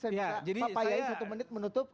saya bisa papayai satu menit menutup